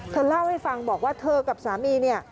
เธอเล่าให้ฟังบอกว่าเธอกับสามีเนี่ย